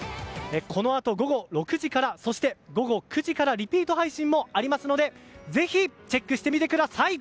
このあと午後６時からそして午後９時からリピート配信もありますのでぜひ、チェックしてみてください。